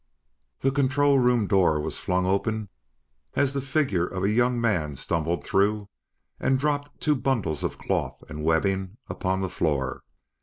The control room door was flung open as the figure of a young man stumbled through and dropped two bundles of cloth and webbing upon the floor.